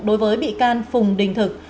đối với bị can phùng đình thực